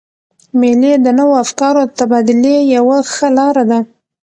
مېلې د نوو افکارو د تبادلې یوه ښه لاره ده.